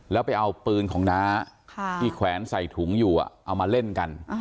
แล้วไปเอาปืนของน้าที่แขวนใส่ถุงอยู่เอามาเล่นกัน